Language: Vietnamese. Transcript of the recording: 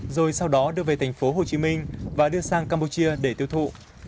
rồi sau đó đưa về thành phố hồ chí minh và đưa sang campuchia để tiêu thụ